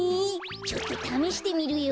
ちょっとためしてみるよ。